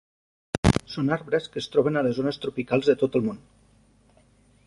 Són arbres que es troben a les zones tropicals de tot el món.